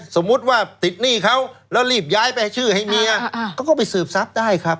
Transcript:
สมมุติว่าติดหนี้เขาแล้วรีบย้ายไปชื่อให้เมียเขาก็ไปสืบทรัพย์ได้ครับ